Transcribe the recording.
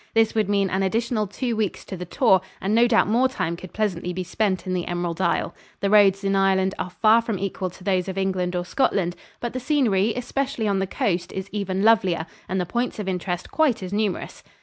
This would mean an additional two weeks to the tour, and no doubt more time could pleasantly be spent in the Emerald Isle. The roads in Ireland are far from equal to those of England or Scotland, but the scenery, especially on the coast, is even lovelier, and the points of interest quite as numerous.